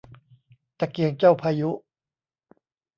ตะเกียงเจ้าพายุ